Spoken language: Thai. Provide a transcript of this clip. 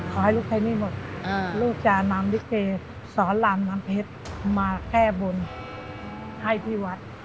ขอให้ลูกใครไม่มีหมดลูกจาน้ำริเกย์สอนหลามน้ำเพชรมาแค่บนให้ที่วัด